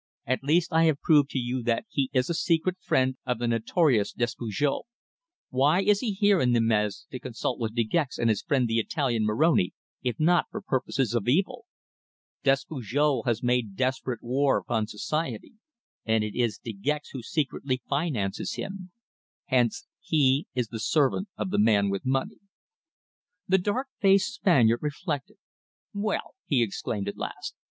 "At least I have proved to you that he is a secret friend of the notorious Despujol. Why is he here in Nîmes to consult with De Gex and his friend the Italian, Moroni, if not for purposes of evil? Despujol has made desperate war upon society, and it is De Gex who secretly finances him! Hence he is the servant of the man with money." The dark faced Spaniard reflected. "Well," he exclaimed at last.